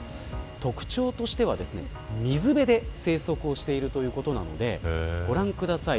特徴としては水辺で生息しているということなのでご覧ください。